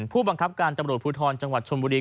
ผู้บังคับการตำรวจภูทรจังหวัดชนบุรี